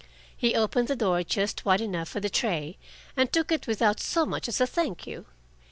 He opened the door just wide enough for the tray, and took it without so much as a "thank you."